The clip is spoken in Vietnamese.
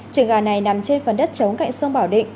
trường gà này nằm trên phần đất trống cạnh sông bảo định